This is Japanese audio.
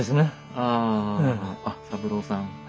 あああっ三郎さん。